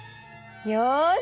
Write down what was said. よし！